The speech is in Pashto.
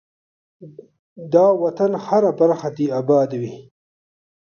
ده وطن هره برخه دی اباده وی.